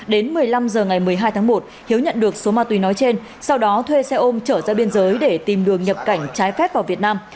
đến một mươi năm h ngày một mươi hai tháng một hiếu nhận được số ma túy nói trên sau đó thuê xe ôm trở ra biên giới để tìm đường nhập cảnh trái phép vào việt nam